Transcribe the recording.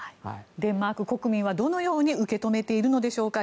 デンマーク国民はどのように受け止めているんでしょうか。